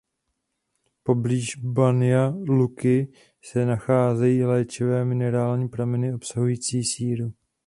Poblíž "Banja Luky" se nacházejí léčivé minerální prameny obsahující síru.